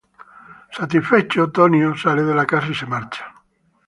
Satisfecho, Tony sale de la casa y se marcha.